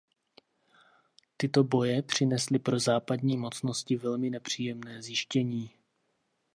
Tyto souboje přinesly pro západní mocnosti velmi nepříjemné zjištění.